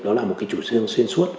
đó là một cái chủ trương xuyên suốt